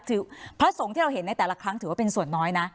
คือพระสงฆ์ที่เราเห็นในแต่ละครั้งถือว่าเป็นส่วนน้อยนะ